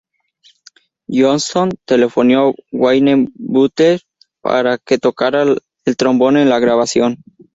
Johnston telefoneó a Wayne Butler para que tocara el trombón en la grabación.